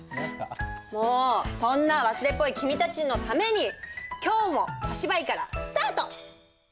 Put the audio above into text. もうそんな忘れっぽい君たちのために今日も小芝居からスタート！